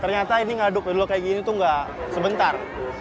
ternyata ini ngaduk dodol kayak gini tuh nggak sebentar